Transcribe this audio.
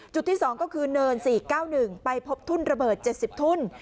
จุดที่สองก็คือเนินสี่เก้าหนึ่งไปพบทุนระเบิดเจ็ดสิบทุน